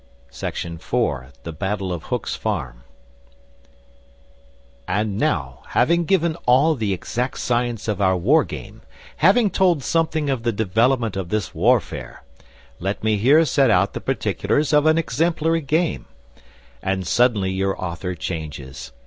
IV THE BATTLE OF HOOK'S FARM AND now, having given all the exact science of our war game, having told something of the development of this warfare, let me here set out the particulars of an exemplary game. And suddenly your author changes.